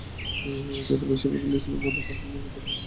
ছোট ভাই সিফাতুল ইসলাম মাথায় হাত বুলিয়ে সান্ত্বনা দেওয়ার চেষ্টা করছে।